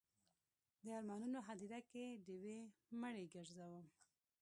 د ارمانونو هدیره کې ډیوې مړې ګرځوم